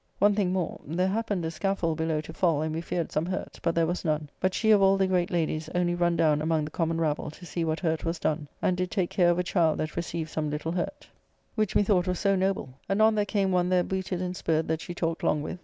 One thing more; there happened a scaffold below to fall, and we feared some hurt, but there was none, but she of all the great ladies only run down among the common rabble to see what hurt was done, and did take care of a child that received some little hurt, which methought was so noble. Anon there came one there booted and spurred that she talked long with.